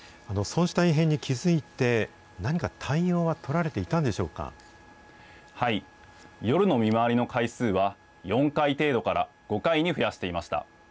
そうした異変に気付いて、何か対応は取られていたんでしょう夜の見回りの回数は４回程度から５回に増やしていました。